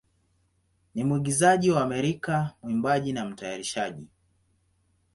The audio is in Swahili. ni mwigizaji wa Amerika, mwimbaji, na mtayarishaji.